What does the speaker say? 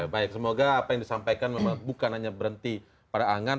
baik semoga apa yang disampaikan memang bukan hanya berhenti pada angan